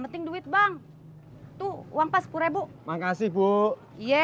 penting duit bang tuh uang pas kure bu makasih bu ye